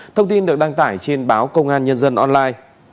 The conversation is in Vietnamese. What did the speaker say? thông tin được đăng tải trên báo công an nhân dân online